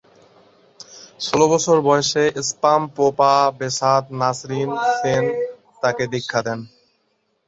ষোল বছর বয়সে স্গাম-পো-পা-ব্সোদ-নাম্স-রিন-ছেন তাকে দীক্ষা দেন।